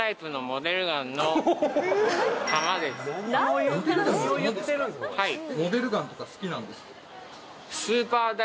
モデルガンとか好きなんですか？